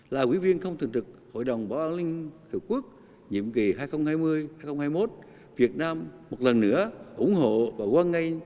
là quỹ viên không thường trực hội đồng bảo an liên hợp quốc nhiệm kỳ hai nghìn hai mươi hai nghìn hai mươi một việt nam một lần nữa ủng hộ và quan ngay